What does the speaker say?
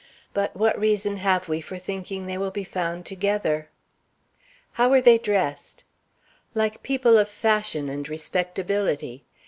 But what reason have we for thinking they will be found together?" "How were they dressed?" "Like people of fashion and respectability.